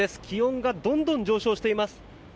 気温がどんどん上昇しています。